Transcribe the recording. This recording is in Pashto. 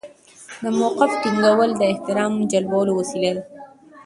د موقف ټینګول د احترام جلبولو وسیله ده.